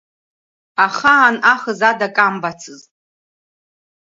Ахаан ахыз ада акы амбацызт.